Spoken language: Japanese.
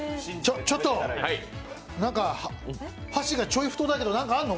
ちょっと、なんか箸がちょい太だけど何かあるの？